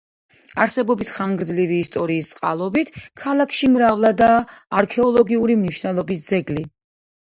არსებობის ხანგრძლივი ისტორიის წყალობით, ქალაქში მრავლადაა არქეოლოგიური მნიშვნელობის ძეგლი.